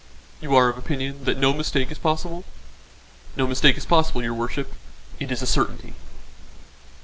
"You are of opinion that no mistake is possible?" "No mistake is possible, your worship. It is a certainty."